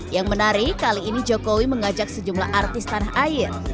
yang menarik kali ini jokowi mengajak sejumlah artis tanah air